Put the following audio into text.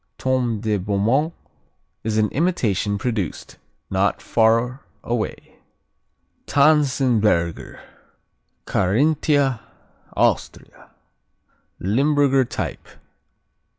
Tome de Beaumont is an imitation produced not far away. Tanzenberger Carinthia, Austria Limburger type.